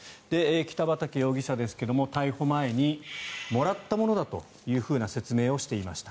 北畠容疑者ですが逮捕前にもらったものだというふうな説明をしていました。